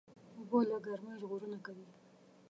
اوبه له ګرمۍ ژغورنه کوي.